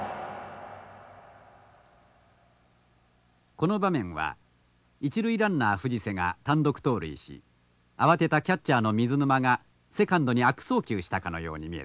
この場面は一塁ランナー藤瀬が単独盗塁し慌てたキャッチャーの水沼がセカンドに悪送球したかのように見えた。